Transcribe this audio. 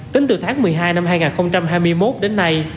tính từ tháng một mươi hai năm hai nghìn hai mươi một đến nay